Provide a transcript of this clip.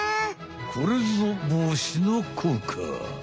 これぞぼうしのこうか。